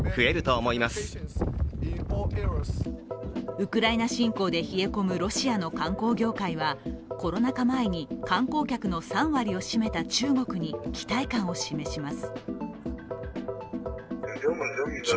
ウクライナ侵攻で冷え込むロシアの観光業界はコロナ禍前に観光客の３割を占めた中国に期待感を示します。